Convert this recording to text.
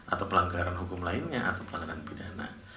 atau pelanggaran hukum lainnya atau pelanggaran pidana